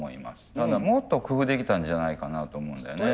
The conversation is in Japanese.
ただもっと工夫できたんじゃないかなと思うんだよね。